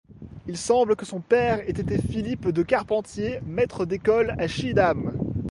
Il semble que son père ait été Philippe de Carpentier, maître d'école à Schiedam.